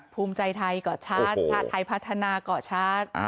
ภูมิใจไทยก่อชาติชาติไทยพัฒนาก่อชาติ